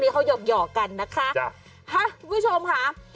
ครับคุณผู้ชมค่ะ